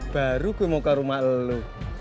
baru gue mau ke rumah lo